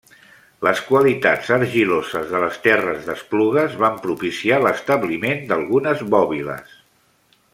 Les qualitats argiloses de les terres d'Esplugues van propiciar l'establiment d'algunes bòbiles.